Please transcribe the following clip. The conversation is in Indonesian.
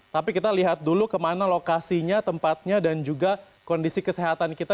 tapi kita lihat dulu kemana lokasinya tempatnya dan juga kondisi kesehatan kita